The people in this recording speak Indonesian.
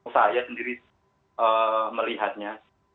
saya sendiri melihatnya